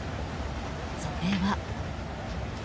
それは。